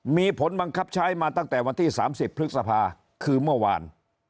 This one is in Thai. มีผลบังคับใช้มาตั้งแต่วันที่๓๐พฤษภาคือเมื่อวาน